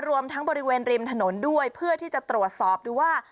รวมทั้งบริเวณริมถนนด้วยเพื่อที่จะตรวจสอบดูว่า